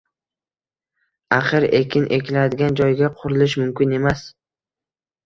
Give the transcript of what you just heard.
axir ekin ekiladigan joyga qurilish qilish mumkin emas